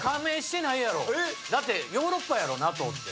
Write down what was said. えっ⁉だってヨーロッパやろＮＡＴＯって。